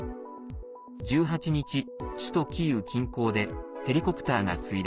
１８日、首都キーウ近郊でヘリコプターが墜落。